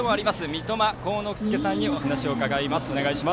三笘航乃佑さんにお話を伺います。